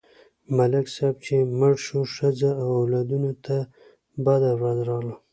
ملک صاحب چې مړ شو، ښځه او اولادونه ته بده ورځ راغله.